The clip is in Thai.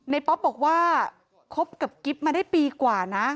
ป๊อปบอกว่าคบกับกิ๊บมาได้ปีกว่านะ